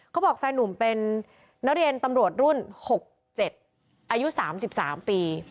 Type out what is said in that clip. แฟนนุ่มเป็นนักเรียนตำรวจรุ่น๖๗อายุ๓๓ปี